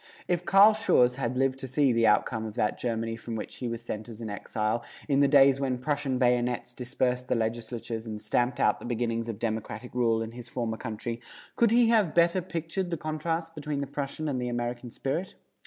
If Carl Schurz had lived to see the outcome of that Germany from which he was sent as an exile, in the days when Prussian bayonets dispersed the legislatures and stamped out the beginnings of democratic rule in his former country, could he have better pictured the contrasts between the Prussian and the American spirit?